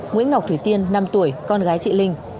nguyễn ngọc thủy tiên năm tuổi con gái chị linh